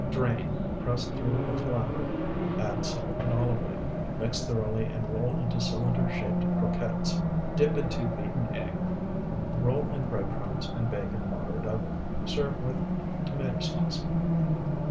Drain, press through a colander, add salt and olive oil. Mix thoroughly and roll into cylinder shaped croquettes; dip into beaten egg, roll in bread crumbs and bake in moderate oven. Serve with tomato sauce.